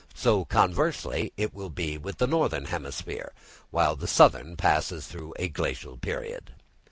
So conversely it will be with the northern hemisphere, while the southern passes through a glacial period.